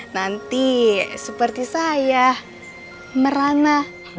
nanti seperti saya merana